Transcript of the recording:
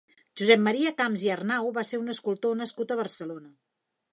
Josep Maria Camps i Arnau va ser un escultor nascut a Barcelona.